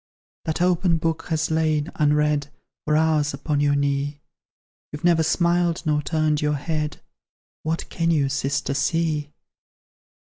That open book has lain, unread, For hours upon your knee; You've never smiled nor turned your head; What can you, sister, see?"